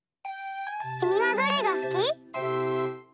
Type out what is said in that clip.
きみはどれがすき？